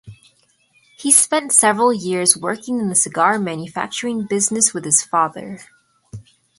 He spent several years working in the cigar manufacturing business with his father.